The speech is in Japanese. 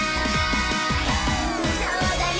「そうだよ」